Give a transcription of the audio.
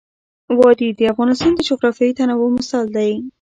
وادي د افغانستان د جغرافیوي تنوع مثال دی.